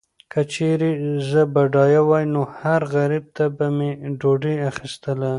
که چیرې زه بډایه وای، نو هر غریب ته به مې ډوډۍ اخیستله.